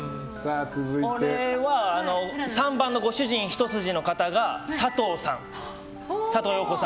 俺は３番のご主人一筋の方が佐藤洋子さん。